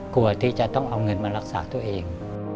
ที่จะต้องเอาเงินมารักษาตัวเอง